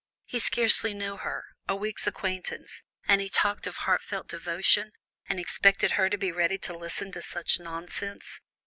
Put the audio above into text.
He scarcely knew her a week's acquaintance, and he talked of heartfelt devotion, and expected her to be ready to listen to such nonsense!